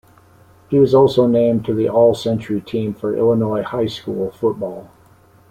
He was also named to the All-Century team for Illinois High School Football.